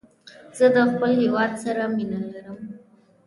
زه د خپل هېواد سره مینه لرم